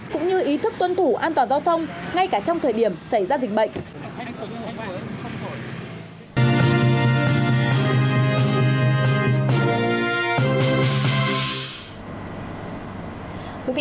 cũng như ý thức tuân thủ an toàn giao thông ngay cả trong thời điểm xảy ra dịch bệnh